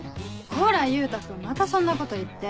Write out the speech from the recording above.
こら優太君またそんなこと言って。